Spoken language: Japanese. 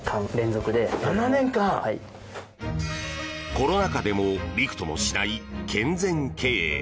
コロナ禍でもびくともしない健全経営。